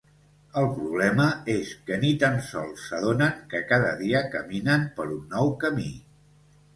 El problema és que ni tan sols s'adonen que cada dia caminen per un nou camí.